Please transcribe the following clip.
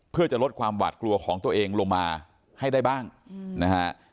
เพื่อจะลดความหวาดกลัวของตัวเองลงมาให้ได้บ้างนะฮะ